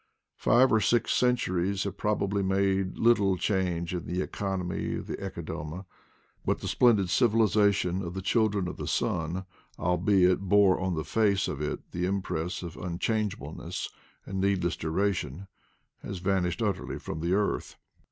Five or six centuries have probably made little change in the economy of the 136 IDLE DATS IN PATAGONIA (Ecodoma, but the splendid civilization of the chil dren of the sun, albeit it bore on the face of it the impress of nnchangeableness and needless dura tion, has vanished utterly from the earth.